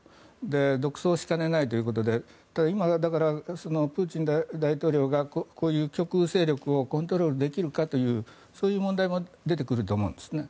独走しかねないということでだから今、プーチン大統領がこういう極右勢力をコントロールできるかというそういう問題も出てくると思うんですね。